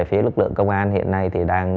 phía lực lượng công an hiện nay thì đang